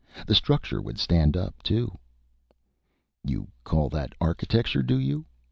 "The structure would stand up, too." "You call that architecture, do you?"